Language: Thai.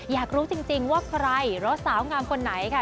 อยากรู้จริงว่าใครหรือว่าสาวงามคนไหนค่ะ